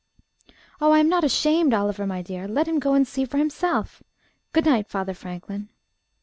"Oh! I am not ashamed, Oliver, my dear. Let him go and see for himself. Good night, Father Franklin."